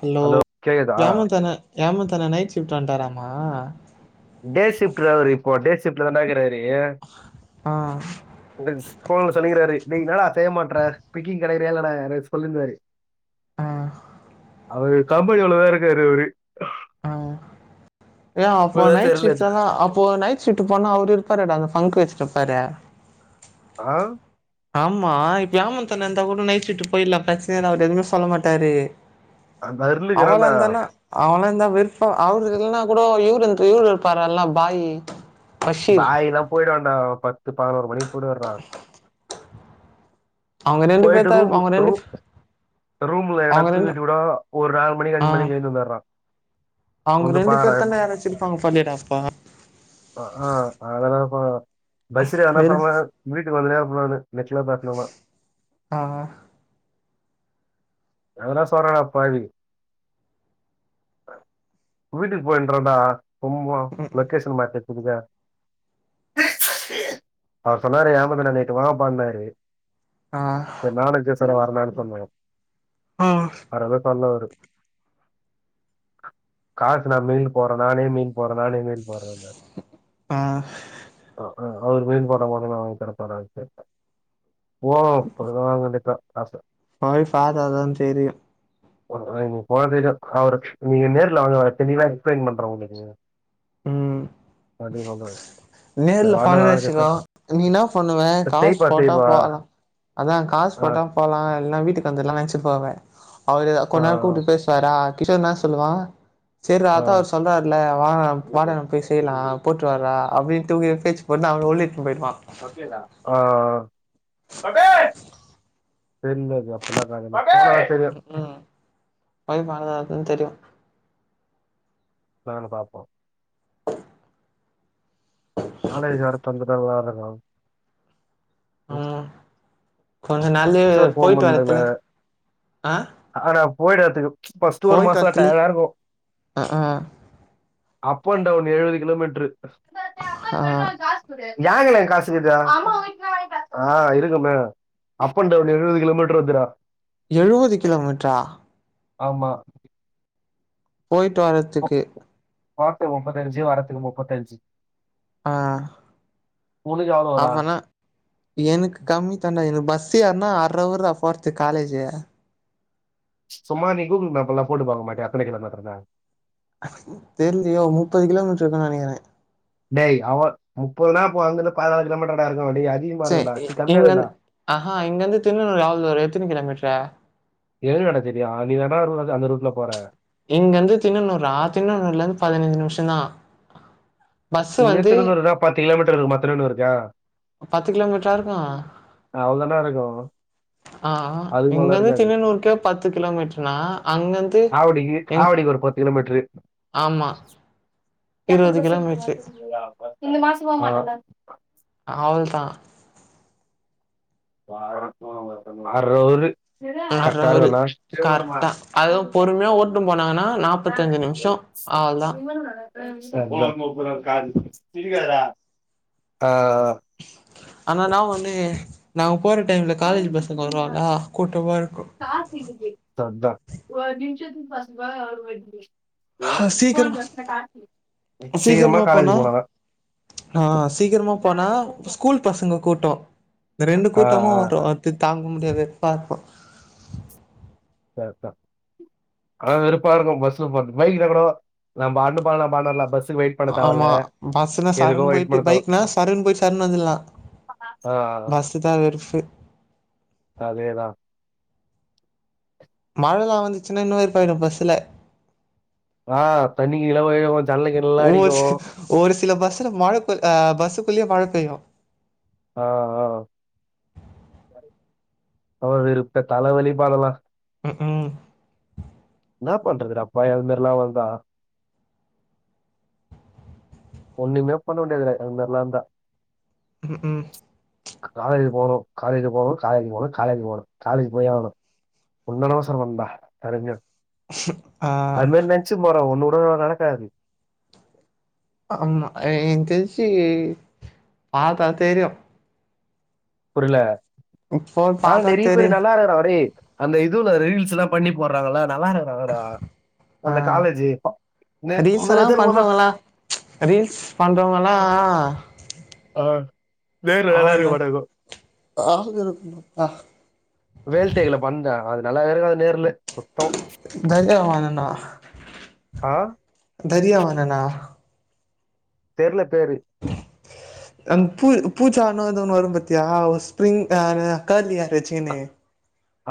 hello வேமத்தன எமத்தன night shift வண்டாரா மா டேஷிப்ட் ரா அவரு இப்போ டேசிப்ட்ல தான்டா க்குராரு தேய ஆ ங்கல்ஸ் ஹோல்ல சொல்லிக்கிறாரு நீ என்னாடா செய்யமாட்ற பிக்கிங் கடைக்கிராயில்லனே அத சொல்ன் வாரு ஆ அவரு கம்பென் குள்ளதா இருக்காரு அவரு ஆ ஏயா அஃபோ இப்பதான் நைட் தெரியல ஷிஃப்ட் ஆ அப்போ நைட் ஷிப்டு போன அவரு இருப்பாரே டா அங்க ஃபங் வச் பிப்பரா ஆ ஆமா இப்ப ஏமன்தண்ண இந்தா கூட நைட் ஷிப்ட்டு போயிடலா பிரச்சனல்ல அவர் எதுமே சொல்ல மாட்டாரு அந்த அருளுக்குறான்டா அவளாந்தனா அவனா இந்த விர்ஃபா அவுர் இல்னா கூடோ இவருந் இவுர் இருப்பாரல்ல பாயி பஷீர் பாயில்லா போயிடுவாங் நா பத் து பதனோரு மணிக் கூட வர்றா அவங்க ரெண்டு பேர் போயிட்டு தா ரூம்மு அவங்க ரூ ரெண்டு ரூம்ல அவங்க எனாச்சு ரெண்டு டிவுடா ஓர் நால் மணிக் ஆ அஞ்சு மணிக் எந்துருந்தார்ரா அவங்க கொஞ்சோ ரெண்டு பேர் பாரேன் தான யாராச்சு இருப்பாங்க போலயேடா அப்போ அ ஆ அததா பா பஸ்ல எதாந்தாலு வெறு சொன்ன மாரி வீட்டுக் வந்துனே புள்ளாமே நெட்ல பாத்தியோமா ஆ ஹா அதெல்லா சோறாடா பாவி வீட்டுக் போயின்றன்டா உம்மா லொக்கேஷன் மாத்தி புரிதா அவர் சொன்னாரு ஏமாந்து நா நேத்து வாப்பான்னாரு ஆ சரி நானு ஜஸ்ட் சேரி வரனான்னு சொன்னோ ஆ அவர் எதோ பண்ணுவாரு காசு நா மெயில் போறனா நெய் மீன் போ நானே மீன் போடறன ஆ அ ஆ அவர் மீன் போட்டா மட்டு அவுங்க கெடைப்பானானு கேட்ட ஓ ஒருறாங்கண்டிப்பா ஆ சார் போய் பாத்ததான் தெரியு போ நீங் போனதிடோ அவரு நீங்க நேர்ல வாங்க தெளிவா எக்ஸ்பிளைன் பண்ற உங்களுக்கு ம் அப்படின்னு சொல்றாரு சரி நேர்ல வாடா [unintelligible] நாளைக்கு வெச்சுகோ நீ என்னா பண்ணுவ காசு செய்ப்பா போட்டா செய்ப்பா போலா அதா காசு ஆ போட்டா போலா இல்லனா வீட்டுக்கு வந்துர்லா நெனச் த்து போவ அவரு ஆ கொஞ் நேரோ கூப்ட்டு பேசுவாரா கிஷோ என்ன சொல்வான் சேர்றா ஆ ஆ, அதா அவர் சொல்றாருல்ல வா வாடா நம்ம போய் செய்லா பர்றா அப்படின் டூ எஃப் ஹேச் போனா அவர் ஒன்லி ஒக்கேடா ஆ [unintelligible] தெரில அது அப்பனா என்ன கதனு ம்ஹூ போய் பாத்தாதா தெரியு நாங்க பாப்போ இது ஒரு [unintelligible] ஆனா ஆ உம் கொஞ்சம் நல்ல சார் ஃபோன் போயிட்டு பண்ல வரதல ஆ போயிடு வரதுக்கு பஸ்ட்ட் ஒரு போயிட்டு மாசம்ல வரத்துலயே டயர்டா இருக்கும் ஆ அப் அண்ட் டவுன் எழுபது கிலோமீட்டரு ஆ ஆ கட்டுறான் காஸ் கூடு எங்கல எங்க காசு கிதா அம்மா இட் த வாங்கி தர சொல்சி ஆ இருக்குமே அப் அண்ட் டவுன் எழுபது கிலோமீட்டர் வருது டா எழுவது கிலோமீட்டரா ஆமா போயிட்டு வரத்துக்கு போரத்துக்கு முப்பத்தஞ்சு வரத்துக்கு முப்பத்தஞ்சு ஆ உனக்கு எவ்வளோ வரா அவனா எனக்கு கம்மி தண்டா எனக்கு பஸ் ஏறினா அர் ஹோர் போர்த்து காலேஜ் சும்மா நீ கூகுள் மேப் எல்லாம் போட்டு பா்க்க மாட்டே எத்தன கிலோ மீட்டர்நு தெரிலை யோ முப்பது கிலோமீட்டர் இருகன்னு நினைகர டேய் அவ முப்பதுனா அங்கிருத்து பதினாலு கிலோமீட்டர் சரி இங்கந்து ஆ இங்க வந்து தின்னன்னூறு அவ்வள தூர எத்தன கிலோமீட்டரா எழுதுடா தெரியும் நீ தானே அந்த ரூட்ல போற இங்கருந்து தின்னனூறு தின்நண்ணூறுல இருந்து பதினஞ்சு நிமிஷோ தா இங்க இருந்து தின்னன்னூறு பத்து கிலோமீட்டர் இருக்கு மத்தனொன்னு இருக்கா பத்து கிலோமீட்ரா இருக்கு அவ்வளவுதானா இருக்கும் ஆ அது இங்க மாரிலா இருந்து இருக்காது தினனூருக்கே பத்து கிலோமீட்ருனா அங்கந்து ஆவடிக்கு எ ஆவடிக்கு ஒரு பத்து கிலோமீட்ரு ஆமா எப்ப இருவது டிரஸ் எடுக்க கிலோமீட்ரு [unintelligible] இந்த மாச போமாட்ட அவ்ளதா [unintelligible] அர ஊரு அர ஊரு கரெக்டா அதுவு பொறுமையா ஓட்டுனு போனாங்கன்னா நாப்பத்தஞ்சு நிமிஷோ அவ்ளதா [unintelligible] ஆ ஆனா நா ஒன்னு நாவ் போற டைம்ல காலேஜ் பசங்க வருவாங்க கூட்டமா இருக்கு [unintelligible] ஹ சீக்கிரமா சீக்கிரமா காலேஜ் போனா போனனா ஆஹ் சீக்கிரமா போனா ஸ்கூல் பசங்க கூட்டோ ரெண்டு ஆ கூட்டமு ஆ வரு அது தாங்க முடியது பார்ப்போ அதா வெறுப்பா இருக்கு பஸ்ல போறது நம் பாட்டுனு போல [unintelligible] ஆமா பஸ்னா சர்ருன்னு வெயிட் போயிட்டு பண்ண தேவ பைக்னா சர்ருன்னு போயிட்டு சர்ருன்னு வந்துட்லா ஆ பஸ்ஸு தா வெறுப்பு அதேதா மழல்லா வந்துச்சுன்னா இன்னு வெறுப்பாயிரு பஸ்ஸுல ஆஹ் தண்ணி கீழ போயிடு ஜன்னல் கின்னல்லா ஒரு அடிக்கு சி ஒரு சில பஸ்ல மழை அ பஸ்ஸுக்குள்ளயே மழை பெய்யு ஆஹ் ஆஹ் அவ விருப்ப தல வலிப்பா அதல்லா ம்ம் என்ன பண்றது அப்பா எறந்திரல அவ்ளோதா ஒண்ணுமே பண்ண முடியாது அது மாதிரில்லா இருந்தா உஹம் உம் காலேஜக்கு போனு காலேஜ் போனு காலேஜ் போனு காலேஜ் போனு காலேஜ் போயே ஆகனு உன்னட அவசர நண்பா பரிஞ்ஜோ ஆ அதுமாரி நச்சுனு போற ஒன்னு போ நடக்காது ஆமா என் தெரிச்சு பாத்தா தெரியு புரீல ஃபோன் ஆ பாத்தா நெறி பேரு தெரியு நல்லா இருக்கிறாங்க டேய் அந்த இதுவுல ரீல்ஸ்ல்லா பண்ணி போட்றாங்கல்ல நல்லா இருக்குல்ல டா ஆ அந்த காலேஜு நே முந்தா ரீல்ஸெல்லா நேத்தோ என்னமோ தா பண்றவங்கல்லா ரீல்ஸ் பண்றவங்கல்லா அஹ் ஆளு வேற [unintelligible] வேல்டேக்ல [unintelligible] பண்ணே அது நல்லாவே இருக்கும் அது நேர்ல சுத்தோ [unintelligible] டா ஆஹ் தெரியவேணண்ணா தெரில அன் பு பூச்சான்னோ ஏது ஒன்னு வரும் பாத்தியா ஸ்பிரிங் கர்லி ஹேர் வெச்சிகினு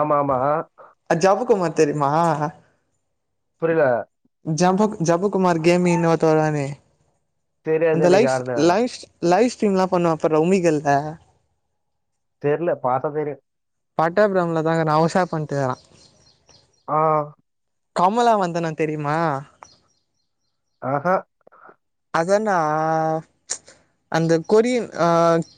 ஆமா ஆமா அ ஜபக்குமார் தெரியுமா புரியல ஜப ஜபக்குமார் கேமிங்னு ஒருத்த வருவானே தெரியாது அந்த எனக்கு லைஃப்ஸ் யாருன்னு லைஃப்ஸ் லைவ் ஸ்டரீம் எல்லாம் பண்ணுவான் அப்ப உமிகள்ல தெரில பாத்தா தெரியு பட்டாபுரம்ல தாங்க நான் அவசா பண்ணிட்டு இருக்கான் ஆஹ் கமலா வந்தனா தெரியுமா அஹ அதானே அந்த கொரியன்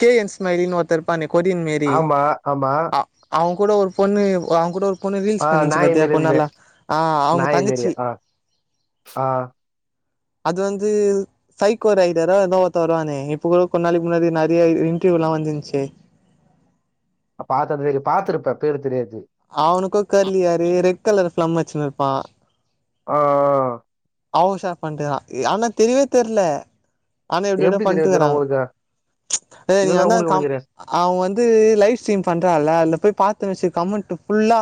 கே என் ஸ்மைலின்னு ஒருத்தன் இருப்பானே கொரியன் மேறி ஆமா ஆமா அ அவ கூட ஒரு பொண்ணு அ அவங் கூட ஒரு பொண்ணு ஆ ரீல்ஸ் பண்ணிச்சு நாய் பார்த்தியா மாரி கொஞ்ச இருக்குமே நாள்ளா ஆஹ் அவங்க நாய் மாரி தங்கச்சி ஆ ஆ அது வந்து சைக்கோ ரைடரோ ஏதோ ஒருத்தன் வருவானே இப்ப கூட கொஞ்ச நாளைக்கு முன்னாடி நெறைய இன்டர்வ்யூ எல்லாம் வந்துருந்துச்சே பாத்ததுவே பாத்துருப்பே பேரு தெரியாது அவனுக்குந் தெரீலயே [unintelligible] [unintelligible] கலர் ஃப்ளம் வச்சினுருப்பா ஆஹ் அஹ் அவன் உஷார் பண்ணிட்டுருக்கான் ஆனா தெரியவே தெரியல ஆனா எப்பிடினா எப்டி தெரியு இதெல்லா பண்ணிட்டுருக்கறான் உங்களுக்கு இது இதெல்லா வந்து உங்களுக்கு எப்டி கம் தெரியு அவங்க வந்து லைவ் ஸ்ட்ரீம் பண்றான் இல்ல போய் பார்த்தே மச்சு கமெண்ட்டு ஃபுல்லா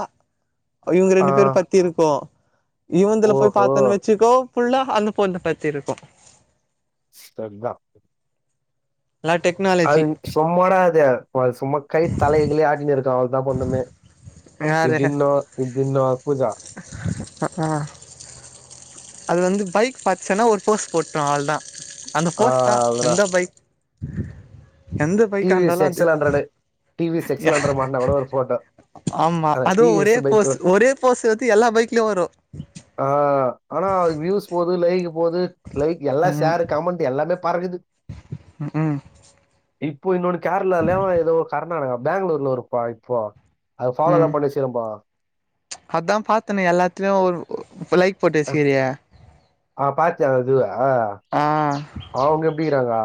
இவுங்க ஆ ரெண்டு பேர் பத்தி இருக்கு இவன்துல போயி ஓஹோ பாத்தேன்னுவச்சு ஸோ ஃபுல்லா அந்தப் பொண்ணு பத்தி இருக்கும் [unintelligible] எல்லா டெக்னாலஜி அது சும்மாடா அது அது சும்மா கை தலைகிலைய ஆட்டினு இருக்கு டிராவல் தான் பொண்ணுமே யாரு இப்டின்னா இப்டின்னா பூஜா அ ஆ அது வந்து பைக் பார்ச்ன்னா ஒரு போஸ்ட் போட்டு அவ்ள தா அந்த ஆ போஸ்ட்தா அதுதா எந்த பைக் எந்த டி பைக்கா வி எஸ் இருந்தாலு எக்ஸ் அது L hundred T V S X L hundred மாட்னா கூட ஒரு போட்டோ ஆமா அந்த டி அதுவு வி ஒரே எஸ் பைக்கு போஸ் ஒரே போஸ் வந்து எல்லா பைக்லயு வரு வ்யூஸ் போது லைக் போது லைக் எல்லா ம் ஷேரு கமண்ட்டு எல்லார்மே பறக்குது ம் இப்போ இன்னொன்னு கேரளாலயோ ஏதோ கர்நாடகா பாங்களூர்லோ ஒருப்பா இப்போ அது ஃபாலோ தான் ம் பண்ணி செய்யறப்பா அதான் பாத்தேனே எல்லாத்லயு ஒரு பொலைப் அ ஆ பாத்தே அதுவா ஆ அவ்ங்க எப்டிருங்கோ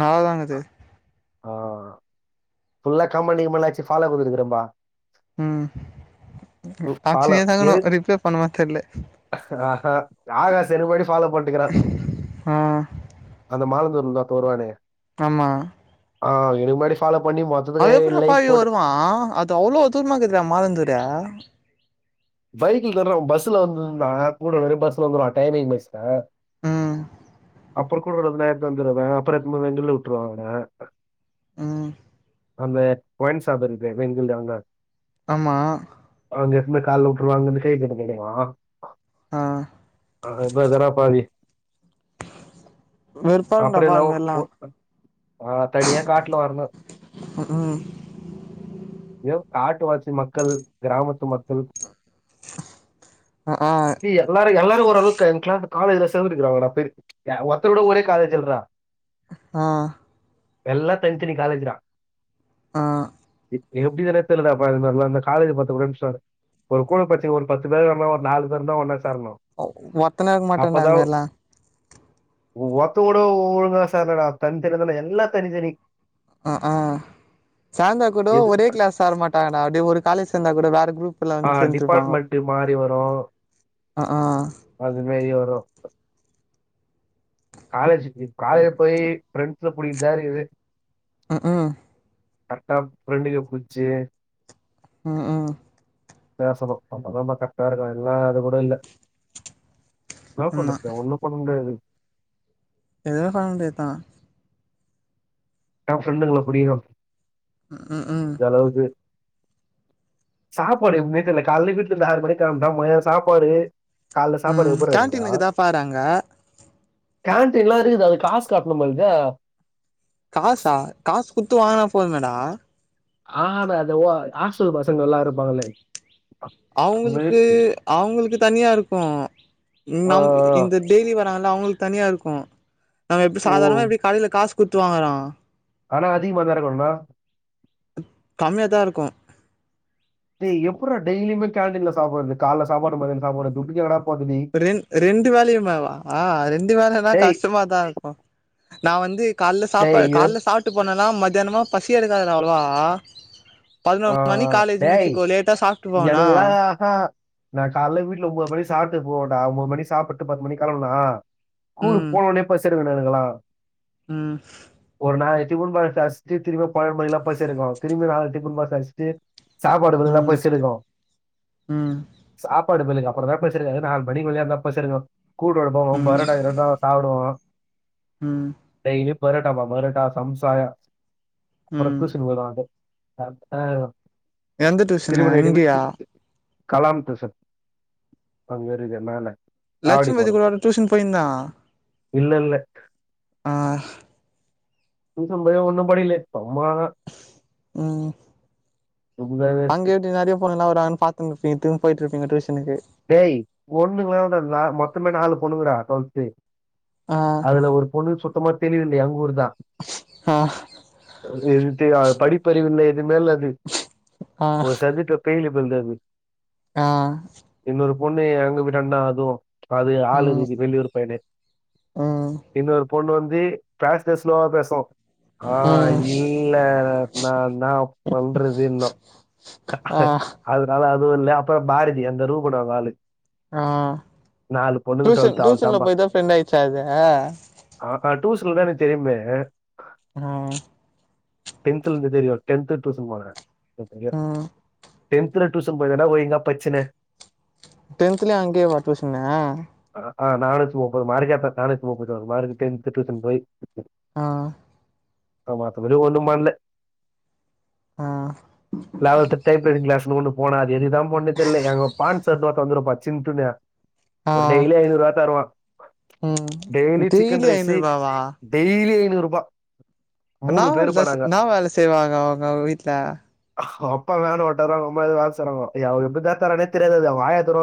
நல்லாதான்குது ஆ ஃபுல்லா [unintelligible] ஃபாலோ குடுதுருக்கேன்ப்பா ம் ஃபாலோ அச்சினே தங்கணு எது ரிப்ளே பண்ணுமா தெர்ல ஆஹா ஆகாசு செரிபடி ஃபாலோ பண்டிக்கிறா ஆ அந்த மால்லந் ஃபுல்லா போறானே ஆமா ஆ இதுக்கு முன்னாடி ஃபாலோ பண்ணி மொத்தத்துக்கு அது எப்டிறா லைக் பாவி போட்டு வருவா அது அவ்ளோ தூர்மாக்குதுறா மாலந்தூர பைக்ல தான்றாவ பஸ்ல வந்துந்தா கூட வெறு பஸ்ல வந்துருவா டைமிங் பஸ்ல ம் அப்புற கூட [unintelligible] வந்துடுவ அப்புறோ [unintelligible] விட்டுருவ அவனா ம் அந்த ஒயின் ஷாப் இருக்கு வெங்கல்ல அங்க ஆமா வண்டி எத்துனுபோயி கால்ல [unintelligible] ஆ ஆ இப்ப தரா பாதி வெறுப்பா அப்புற இருக்குன்டாப்பா அது எல்லாவ் மாரிலா ஓ ஆ தனியா காட்ல வர்னு ம் ம் ஏவ் காட்டுவாசி மக்கள் கிராமத்து மக்கள் ஆ பி எலாரு எல்லா த்து ஓரளவுக்கு என் கிளா காலேஜ்ல சேர்ந்துருக்கிறாங்கள்ளடா பேருக்கு எ ஒருத்தர் கூட ஒரே காலேஜ் இல்றா ஆ எல்லா தனித்தனி காலேஜ்றா ஆ எப்டிதானே தெரிலடா பா இ இ இந்த காலேஜ் பாத்த ஒரே நிமிஷோ இரு ஒரு கூழ பச்சு ஒரு பத்து பேரு வந்தா ஒரு நாலு பேருந்தா ஒன்னா சேரணும் ஒத்தன இருக்க மாட்டான்டா அங்கெல்லா ஒத்தோட ஒழுங்கா சேர்லடா தனித்தனியாதான்டா எல்லா தனித்தனி அ ஆஹ் சாயந்தர கூட எது ஒரே கிளாஸ் சேர மாட்டாங்கடா அப்டியே ஒரு காலேஜ் சேர்ந்தா கூட வேற குரூப் ஆ டிபார்ட்மெண்ட்டு மாறி வரு ஆ ஆ அது வேறி ஆகு தோ காலேஜ்க்கு காலைல போய் ஃபிரெண்ட்ஸ்ஸ புடிக்கதா இருக்குது ம்ஹு கரெக்டா ப்ரெண்டுக புடுச்சு உ ஹு பேசணு அப்பதாமா கரக்டா இருக்கு எல்லா அது கூட இல்ல என்னா ஆமா பண்றது ஒன்னு பண்ண முடியாது எது பல [unintelligible] என் ஃப்ரன்டுங்கள புடிகும் ம் ஹும் ம் சாப்பாடு எப்முமே தெர்ல காலைல வீட்டுல முந்து ஆறு மணி களம்பினோ மதியம் சாப்பாடு காலைல சாப்பாடு ம் எப்படி கேன்டீனு இருக்குங்க இருக்குதா பாறாங்க கேன்டீன்லாம் இருக்குது அது காசு கட்டணு போல்க்குதே காசா காசு குத்து வாங்குனா போது மேடா ஆனா அத ஓ ஆஸ்டல் பசங்கள் எல்லாம் இருப்பாங்களே அந்த அவுங்களுக்கு மாதிரி, அவுங்களுக்கு தனியா இருக்கும் இ நம் ஆஹ், இந்த டெய்லி வர னால அவுங்களுக்கு தனியா இருக்கும் நம்ம ஓ எப்டிசாதாரணமா எப்டி காலைல காசு குத்து வாங்கறான் ஆனா அதிகமாதான வரணும் கம்மியாதான் இருக்கும் டேய் எப்டா டெய்லியுமே கேண்டின்ல சாப்படுது கால சாப்பாடு மதிய சாப்பாடு [unintelligible] ரெ ரெண்டு வேலயுமாவா ஆ ரெண்டு வேலன்னா டேய் கஷ்டமாதான் இருக்கும் நான் வந்து காலைல சாப்பா டேய் காலைல சாப்ட்டு போனனா மதியானமா பசி எடுக்காதனளவா ஆ ஆ டேய் சாப்ட்டு போவனா எனக்குல்லாம் ஹ நான் காலைல வீட்ல ஒன்பது மணி சாப்ட்டு போடா ஒம்ப மணி சாப்ட்டு பத்து மணி கெலம்னா ஸ்குல்கு ம் போனவுனே பசி எ [unintelligible] களா ம் [unintelligible] அஷ்டு திரும்பியும் கோமைல பசி எடுக்கும் திரும்பி நாலு டிபன் பாக்ஸ் ஃபர்ஸ்ட் சாப்பாடுது எல்லாம் ம் பசிருக்கும் ம் சாப் சாப்பாடு பண்ணுங்க அப்புறம் தான் ஏன்னா நாலு மணிக்கு மேல் வந்து ஏன்னா மச் எடுக்கும் கூடு விடுப்பம் ம் பரோட்டா கிரோட்டா சாப்படுவம் ம் பரோட்டா பா பரோட்டா சம்சா அப்பறம் ம் டியூஷன் வரோ அது அ ஆ எந்த டியூஷன்னு திரும்ப இங்கியா நைட்டு கலாம் டியூஷன் அங்க இருக்கே மேல லட்சுமி வதி கூட டியூஷன் போயிருந்தா இல்ல இல்ல ஆ டியூசன் போயு ஒண்ணும் படிகல அம்மா தா ம் ரொம்ப வேஸ்ட் பொண்ணுகள வராங்கனு பத்துனு போயிட்டு இருப்பீங்க டியூஷனுக்கு டேய் பொண்ணுங்க லா இல்லடா மொத்தமே நாலு பொண்ணுங்க டா டோவேல் து ஆ அதுல ஒரு பொண்ணு சுத்தமா தெளிவு எங் உர் தா ஆ அது எது யோ படிப்பறிவில்ல எது மே இல்ல அது ஆ ஒரு சப்ஜெப்ட்ல பேய்லு புள்ள அது ஆ இன்னொரு பொண்ணு எங்க வீட்டுடாண்டா அதும் அது ஆளு ம் இருக்கு வெளியூர் பயன ம் இன்னொரு பொண்ணு வந்து தூ பேசதே ஸ்லோ வா பேசும் ஆ ம் இல்ல நா நா பண்றது இன்னு ஆ அதுனால அது இல்ல அப்புறம் பாரதி அந்த ரூமோட வாளுு ஆ டியூஷன் டுவெல்த் அவள் டியூஷன்ல தான்பா போய் தான் ஃப்ரெண்ட் ஆயிச்சா அது டியூசன்ல தான் எனக்கு தெரியுமே ஆ டென்துல இருந்து தெரியும் டென்து டியூசன் போறேன் என் பையன் ம் டென்துல டியூசன் போயிதாண்டா ஒழுங்கா படிச்சின டென்த்துல அங்கேயவா ட்யுசனு ஆ நானுத்தி முப்பது மார்க் எத்தேன் நானுத்தி முப்பத்தி ஓரு மார்க் டென்த் டியுசன் போய் ம் ஆ மத்தப்படி ஒண்ணு பண்ல ஆ லெவல்த்து டைப் ரைட்டிங் க்ளாஸ் போணோ போன அது எதுக்கு தான் போண்ணே தெர்ல எங்க பான் சார்ன்னு ஒருத்த வந்துருப்பா சின்னுட்டுன்னே ஆ ஒரு டெய்லி ஐநூறு ரூபா தருவான் ம் டெய்லி சிக்கன் ரைஸ் டெய்லி [unintelligible] ருபா என்னா வேல செய் என்னா வேல செய்வாங்க அவுங்க வீட்ல அப்பா வேன் ஓட்டுவாறு அவுங்க அம்மா எதோ வேல செய்ராங்கோ எ அவரு எப்டிதா தரார்னே தெரியாது அது அவுங்க ஆயா தரு